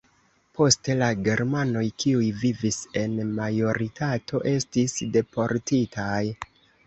Poste la germanoj, kiuj vivis en majoritato, estis deportitaj.